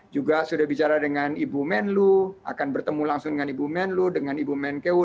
juga sudah bicara dengan ibu menlu akan bertemu langsung dengan ibu menlu dengan ibu menkeu